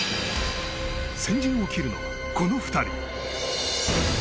先陣を切るのは、この２人。